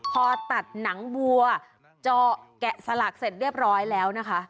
พอตัดหนังวัวเจาะแกะสลักเสร็จเรียบร้อยแล้วนะคะ